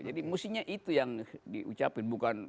jadi musimnya itu yang diucapin bukan